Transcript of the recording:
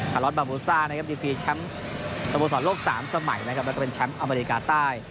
คาลอสบาโบซ่าชมบุรีแชมป์โลก๓สมัยนะครับแล้วก็เป็นแชมป์อเมริกาใต้